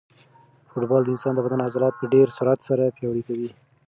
فوټبال د انسان د بدن عضلات په ډېر سرعت سره پیاوړي کوي.